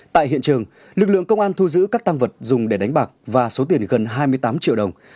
tại hiện trường lực lượng công an thu giữ các tăng vật dùng để đánh bạc và số tiền gần hai mươi tám triệu đồng